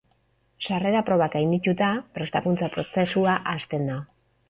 Sarrera probak gaindituta, prestakuntza prozesua hasten da.